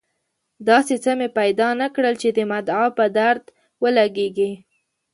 داسې څه مې پیدا نه کړل چې د مدعا په درد ولګېږي.